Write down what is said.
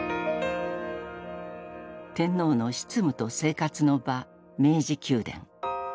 天皇の執務と生活の場明治宮殿。